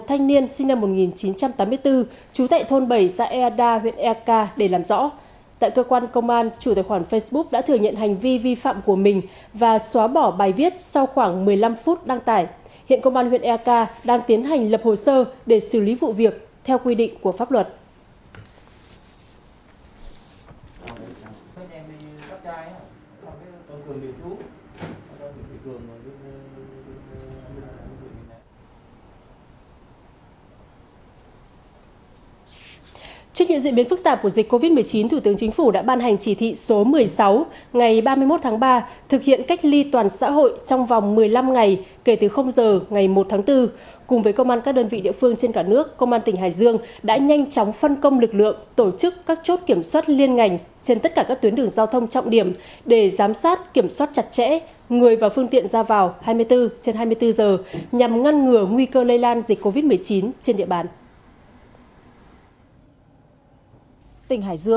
tại cơ quan công an chủ tài khoản facebook đã thừa nhận hành vi vi phạm của mình và xóa bỏ bài viết sau khoảng một mươi năm phút đăng tải